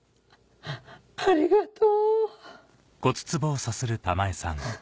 ありがとう。